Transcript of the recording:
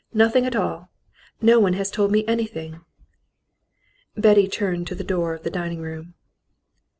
"Nothing at all! No one has told me anything." Betty turned to the door of the dining room.